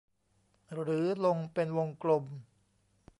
หรือลงเป็นวงกลม